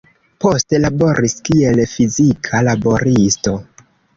Poste laboris kiel fizika laboristo.